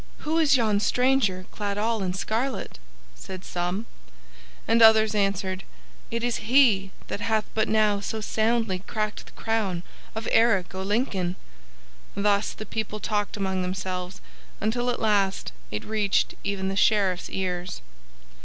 "Who is yon stranger clad all in scarlet?" said some, and others answered, "It is he that hath but now so soundly cracked the crown of Eric o' Lincoln." Thus the people talked among themselves, until at last it reached even the Sheriff's ears.